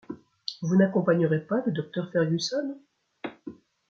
Vous n’accompagnerez pas le docteur Fergusson ?